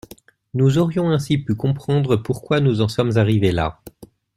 Nous aurions ainsi pu comprendre pourquoi nous en sommes arrivés là.